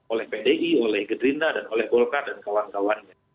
oleh pdi oleh gedenda dan oleh golkar dan kawan kawannya